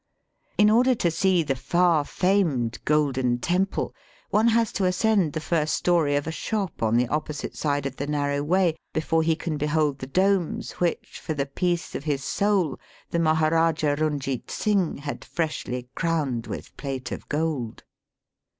In order to see the far famed Golden Temple one has to Digitized by VjOOQIC THE HOJiT CITY. 207 ascend the first story of a shop on the opposite side of the narrow way before he can behold the domes which, for the peace of his soul, the Maharajah Eunjeet Singh had freshly crowned with plate of gold.